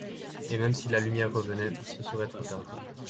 et même si la lumière revenait, ce serait trop tard.